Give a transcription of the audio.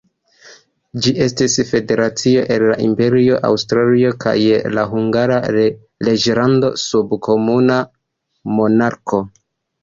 Ĝi estis federacio el la imperio Aŭstrio kaj la Hungara reĝlando sub komuna monarko.